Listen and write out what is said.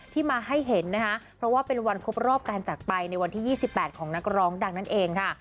มาให้เห็นนะคะเพราะว่าเป็นวันครบรอบการจักรไปในวันที่๒๘ของนักร้องดังนั่นเองค่ะ